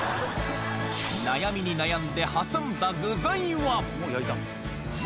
悩みに悩んで挟んだ具材は。